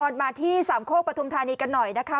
ก่อนมาที่สามโค้กประธุมธานีกันหน่อยนะคะ